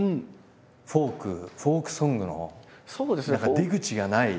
フォークフォークソングの何か出口がない。